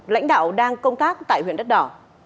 lãnh đạo đang công tác tại huyện đất đỏ